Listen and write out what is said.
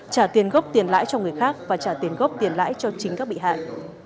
trả tiền gốc tiền lãi cho người khác và trả tiền gốc tiền lãi cho chính các bị hại